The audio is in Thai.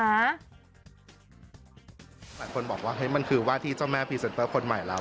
หลายคนบอกว่ามันคือว่าที่เจ้าแม่พรีเซนเตอร์คนใหม่แล้ว